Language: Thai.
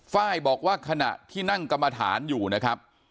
ไฟล์บอกว่าขณะที่นั่งกรรมฐานอยู่นะครับ